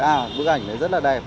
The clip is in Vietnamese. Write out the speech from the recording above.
à bức ảnh này rất là đẹp